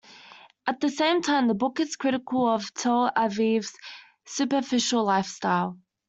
At the same time, the book is critical of Tel Aviv's superficial lifestyle.